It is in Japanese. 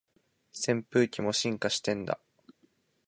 扇風機も進化してんだ